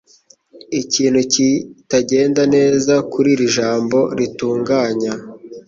Ikintu kitagenda neza kuri iri jambo ritunganya